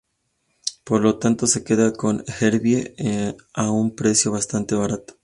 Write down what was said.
Por lo tanto, se queda con Herbie a un precio bastante barato.